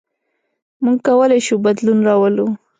موږ کولی شو بدلون راولو.